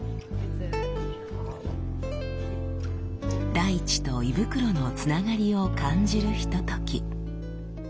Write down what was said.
大地と胃袋のつながりを感じるひととき。